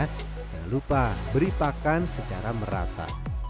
jangan lupa beri pakan secara merata